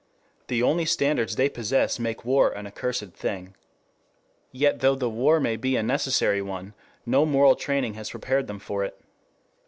The only standards they possess make war an accursed thing. Yet though the war may be a necessary one, no moral training has prepared them for it.